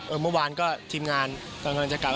เมื่อวานก็ทีมงานกำลังจะกลับ